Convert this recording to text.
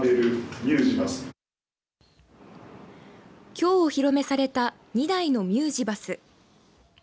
きょうお披露目された２台のミュージバス。